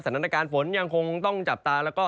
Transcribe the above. สถานการณ์ฝนยังคงต้องจับตา